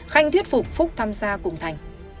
khanh thuyết phục phúc tham gia cùng thành